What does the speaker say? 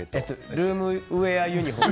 ルームウェアユニホーム。